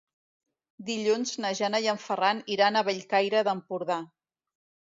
Dilluns na Jana i en Ferran iran a Bellcaire d'Empordà.